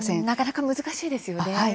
なかなか難しいですよね。